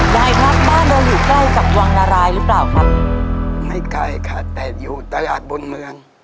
ยายครับบ้านเราอยู่ใกล้กับวังนารายหรือเปล่าครับไม่ไกลค่ะแต่อยู่ตลาดบนเมือง